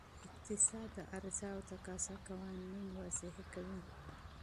اقتصاد د عرضه او تقاضا قوانین تشریح کوي.